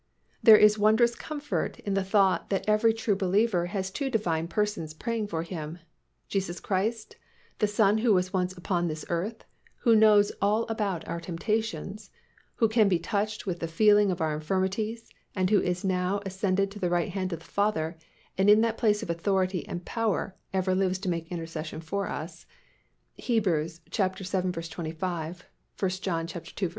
There is wondrous comfort in the thought that every true believer has two Divine Persons praying for him, Jesus Christ, the Son who was once upon this earth, who knows all about our temptations, who can be touched with the feeling of our infirmities and who is now ascended to the right hand of the Father and in that place of authority and power ever lives to make intercession for us (Heb. vii. 25; 1 John ii.